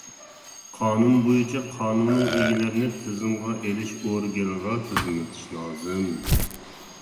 قانۇن بويىچە قانۇنىي ئىگىلەرنى تىزىمغا ئېلىش ئورگىنىغا تىزىملىتىش لازىم.